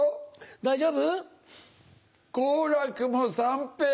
大丈夫？